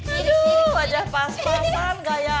aduh wajah pas pasan gaya